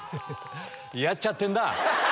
やっちゃってんな。